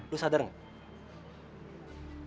lo sadar gak